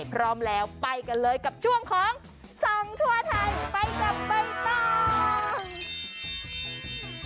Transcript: พร้อมแล้วไปกันเลยกับช่วงของส่องทั่วไทยไปกับใบตอง